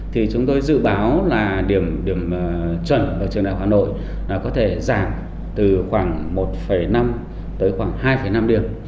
thì chúng tôi dự báo là điểm điểm chuẩn ở trường đại học hà nội có thể giảm từ khoảng một năm tới khoảng hai năm điểm